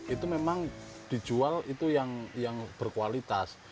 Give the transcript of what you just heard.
itu memang dijual itu yang berkualitas